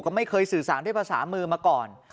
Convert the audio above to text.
ก็ไม่เคยสื่อสารด้วยภาษามือมาก่อน